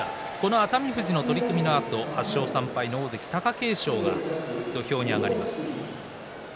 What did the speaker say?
熱海富士の取組のあと８勝３敗の大関貴景勝が土俵に上がります。